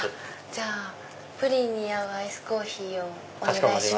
じゃあプリンに合うアイスコーヒーをお願いします。